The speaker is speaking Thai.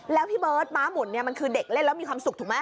แล้วพี่เบิร์ดม้าหมุนเนี่ยมันคือเด็กเล่นแล้วมีความสุขถูกไหม